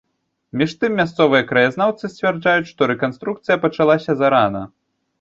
Між тым, мясцовыя краязнаўцы сцвярджаюць, што рэканструкцыя пачалася зарана.